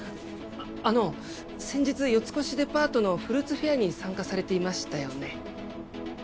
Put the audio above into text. あの先日四越デパートのフルーツフェアに参加されていましたよね？